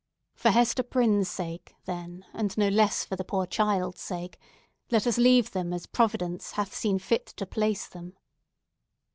For Hester Prynne's sake, then, and no less for the poor child's sake, let us leave them as Providence hath seen fit to place them!"